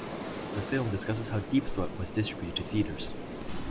The film discusses how "Deep Throat" was distributed to theaters.